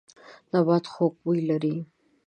نبات خوږ بوی لري.